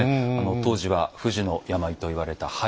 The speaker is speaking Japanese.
当時は不治の病と言われた肺結核。